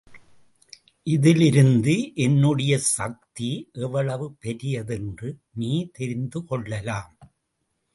இதிலிருந்து என்னுடைய சக்தி எவ்வளவு பெரியதென்று நீ தெரிந்து கொள்ளலாம்.